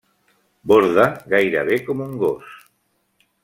Borda gairebé com un gos.